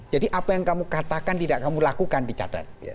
jadi apa yang kamu katakan tidak kamu lakukan dicatat